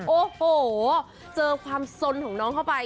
โอ้โหเจอความสนของน้องเข้าไป